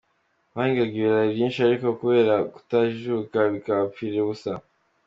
Bahingaga ibirayi byinshi ariko kubera kutajijuka bikabapfira ubusa.